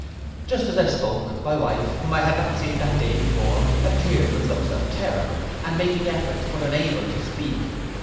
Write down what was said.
Just as I spoke, my wife, whom I had not seen that day before, appeared with looks of terror, and making efforts, but unable to speak.